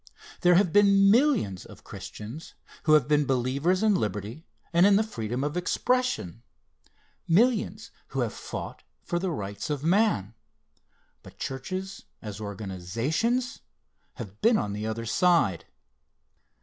There have been millions of Christians who have been believers in liberty and in the freedom of expression millions who have fought for the rights of man but churches as organizations, have been on the other side.